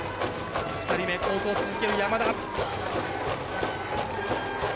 ２人目、好投を続ける山田。